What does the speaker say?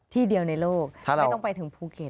ที่เดียวในโลกไม่ต้องไปถึงภูเก็ต